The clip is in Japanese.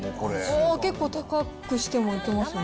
おー、結構高くしても、いけますね。